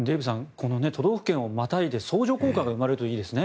この都道府県をまたいで相乗効果が出るといいですね。